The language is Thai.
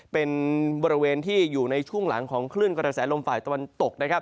เป็นบริเวณที่อยู่ในช่วงหลังของคลื่นกระแสลมฝ่ายตะวันตกนะครับ